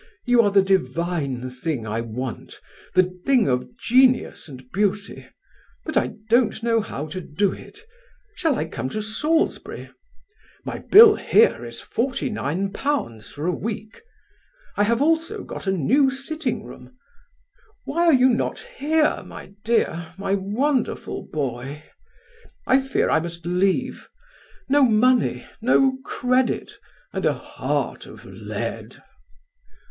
You are the divine thing I want, the thing of genius and beauty; but I don't know how to do it. Shall I come to Salisbury? My bill here is £49 for a week. I have also got a new sitting room.... Why are you not here, my dear, my wonderful boy? I fear I must leave no money, no credit, and a heart of lead.